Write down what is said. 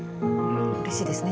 うれしいですね